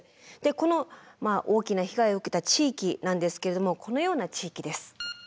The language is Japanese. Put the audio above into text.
この大きな被害を受けた地域なんですけれどもこのような地域です。